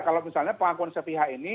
kalau misalnya pengakuan sepihak ini